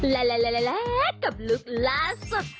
และและและและกับลูกล้าสุด